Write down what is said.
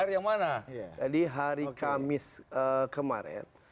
jadi hari kamis kemarin